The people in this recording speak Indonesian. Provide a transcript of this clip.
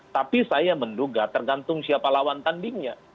tapi saya menduga tergantung siapa lawan tandingnya